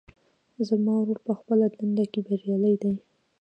زما ورور په خپله دنده کې بریالۍ ده